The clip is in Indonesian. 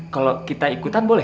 kalau kita ikutan boleh